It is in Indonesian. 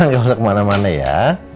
gak boleh kemana mana ya